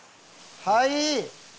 はい！